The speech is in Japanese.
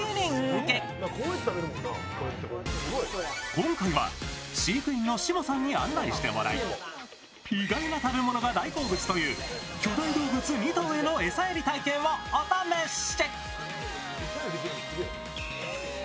今回は飼育員の下さんに案内してもらい、意外な食べ物が大好物という巨大動物２頭への餌やり体験をお試し。